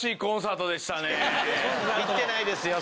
行ってないですよ